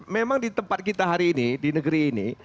memang di tempat kita hari ini di negeri ini